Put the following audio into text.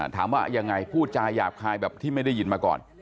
ถามว่ายังไงพูดจาหยาบคายแบบที่ไม่ได้ยินมาก่อน